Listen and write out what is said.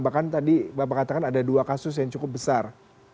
bahkan tadi bapak katakan ada dua kasus yang cukup besar